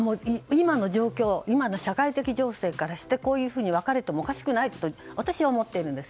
今の状況、社会的情勢からしてこういうふうに分かれてもおかしくないと私は思っているんです。